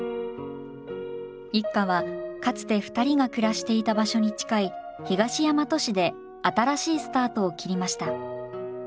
一家はかつて２人が暮らしていた場所に近い東大和市で新しいスタートを切りました。